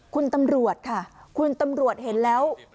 คุณตำรวจค่ะคุณตำรวจเห็นแล้ว